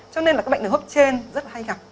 cho nên là cái bệnh đường hốp trên rất là hay gặp